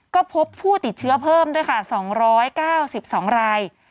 ก็พบผู้ติดเชื้อเพิ่มด้วยค่ะ๒๙๒ราย